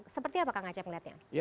seperti apa kak nacep melihatnya